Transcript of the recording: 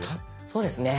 そうですね。